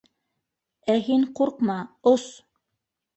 Ә һин ҡурҡма, ос!